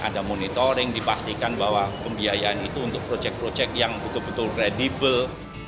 ada monitoring dipastikan bahwa pembiayaan itu untuk projek projek yang betul betul reddible